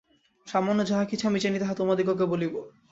সামান্য যাহা কিছু আমি জানি, তাহা তোমাদিগকে বলিব।